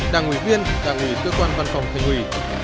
đảng ủy viên đảng ủy cơ quan văn phòng thành ủy